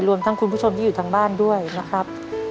รวมทั้งคุณผู้ชมที่อยู่ทางบ้านด้วยนะครับ